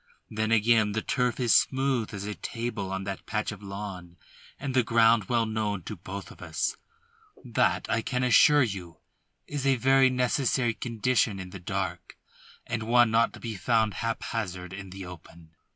Then, again, the turf is smooth as a table on that patch of lawn, and the ground well known to both of us; that, I can assure you, is a very necessary condition in the dark and one not to be found haphazard in the open."